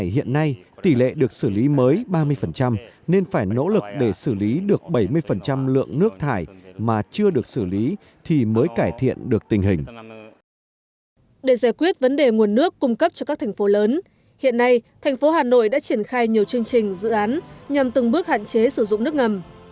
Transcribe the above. hà nội đã triển khai nhiều chương trình dự án nhằm từng bước hạn chế sử dụng nước ngầm